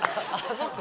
そっか。